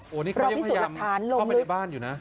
โอ้โธ่นี่เขายังพยายามเข้าไปในบ้านอยู่นะรอบพิศุกรฐานลงลึก